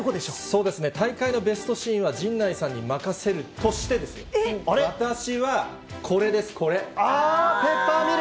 そうですね、大会のベストシーンは、陣内さんに任せるとしてですよ、あー、ペッパーミル。